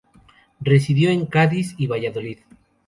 Residió en Cádiz y Valladolid.